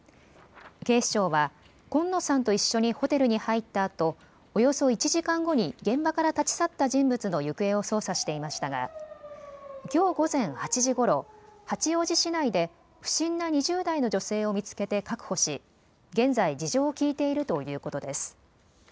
警視庁は今野さんと一緒にホテルに入ったあとおよそ１時間後に現場から立ち去った人物の行方を捜査していましたがきょう午前８時ごろ八王子市内で不審な２０代の女性を見つけて確保し、現在、事情を聴いているということです。